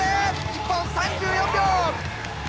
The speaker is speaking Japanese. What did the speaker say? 日本３４秒！